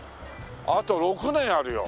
あと６年あるよ。